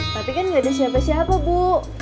tapi kan gak ada siapa siapa bu